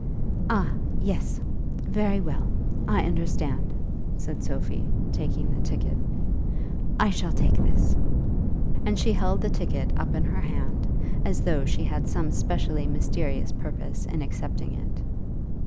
"Ah, yes; very well; I understand," said Sophie, taking the ticket. "I shall take this;" and she held the ticket up in her hand, as though she had some specially mysterious purpose in accepting it.